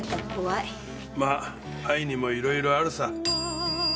まあ愛にもいろいろあるさ。